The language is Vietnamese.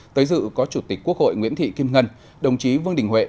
tới dự có chủ tịch quốc hội nguyễn thị kim ngân đồng chí vương đình huệ